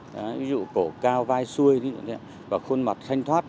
ví dụ cổ cao vai xuôi và khuôn mặt thanh thoát